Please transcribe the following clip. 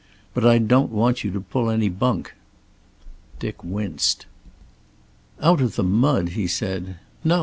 But I don't want you to pull any bunk." Dick winced. "Out of the mud!" he said. "No.